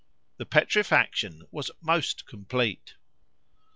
The petrifaction was most complete.